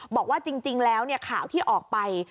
บอกว่าจริงแล้วข่าวที่ออกไป